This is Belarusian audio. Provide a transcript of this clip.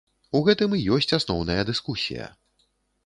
У гэтым і ёсць асноўная дыскусія.